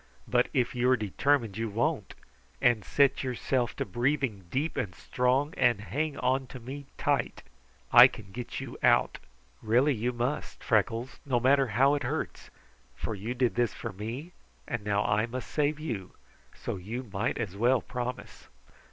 "But if you are determined you won't, and set yourself to breathing deep and strong, and hang on to me tight, I can get you out. Really you must, Freckles, no matter how it hurts, for you did this for me, and now I must save you, so you might as well promise."